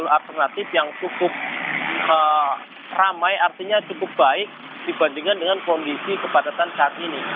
alternatif yang cukup ramai artinya cukup baik dibandingkan dengan kondisi kepadatan saat ini